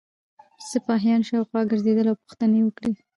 سپاهیان شاوخوا ګرځېدل او پوښتنې یې وکړې.